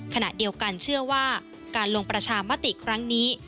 ขณะเดียวกันเชื่อว่าการลงประชามติครั้งนี้